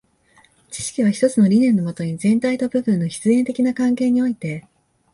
知識は一つの理念のもとに、全体と部分の必然的な関係において、